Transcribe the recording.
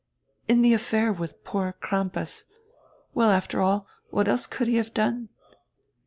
In the affair with poor Crampas — well, after all, what else could he have done?